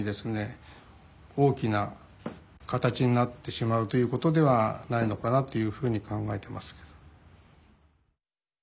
大きな形になってしまうということではないのかなというふうに考えてますけど。